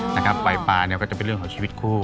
ปล่อยปลาเนี่ยก็จะเป็นเรื่องของชีวิตคู่